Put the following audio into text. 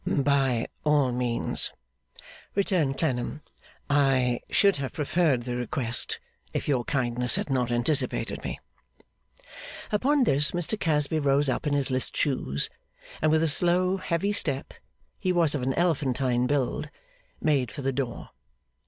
'By all means,' returned Clennam. 'I should have preferred the request, if your kindness had not anticipated me.' Upon this Mr Casby rose up in his list shoes, and with a slow, heavy step (he was of an elephantine build), made for the door.